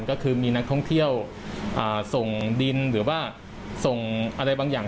ก็คือมีนักท่องเที่ยวส่งดินหรือว่าส่งอะไรบางอย่าง